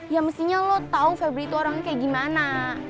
ya mestinya lo tau febri itu orangnya kayak gimana